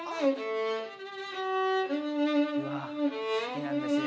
好きなんですよ。